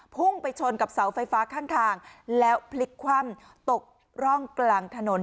พุ่งไปชนกับเสาไฟฟ้าข้างทางแล้วพลิกคว่ำตกร่องกลางถนน